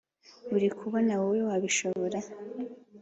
uri kubona wowe wabishobora